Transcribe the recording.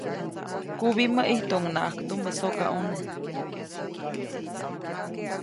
Kubimä, ʼijtuʼunŋaʼajk tumä sokaʼune.